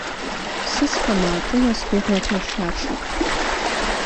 Сыцҳа маакыра сгәыӷрақәа хьаҽит.